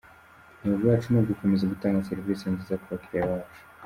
Intego yacu ni ugukomeza gutanga serivisi nziza ku bakiliya bacu.’’